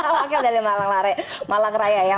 wakil dari malang raya ya